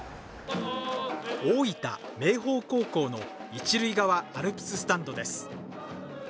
大分・明豊高校の一塁側アルプススタンドです。